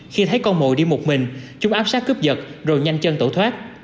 khi thấy con mồi đi một mình chúng áp sát cướp giật rồi nhanh chân tẩu thoát